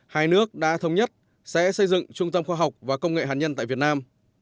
hai nước đã thống nhất sẽ xây dựng trung tâm khoa học và công nghệ hạt nhân tại việt nam